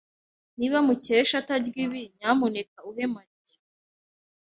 Niba Mukesha atarya ibi, nyamuneka uhe Mariya.